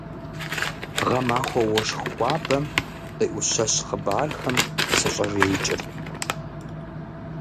Гъэмахуэ уэшх хуабэм, къиӏущэщ хъыбархэм сыщӏэжеикӏырт.